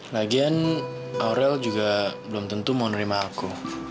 lagian aurel juga belum tentu mau nerima aku